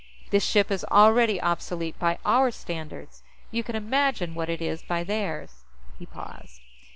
This ship is already obsolete by our standards; you can imagine what it is by theirs." He paused.